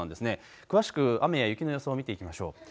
詳しく雨や雪の予想を見ていきましょう。